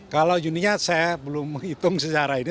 kalau juninya saya belum menghitung secara ini